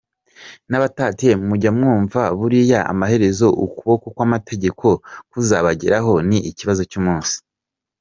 “Nabatatiye mujya mwumva buriya amaherezo ukuboko kw’amategeko kuzabageraho ni ikibazo cy’umunsi.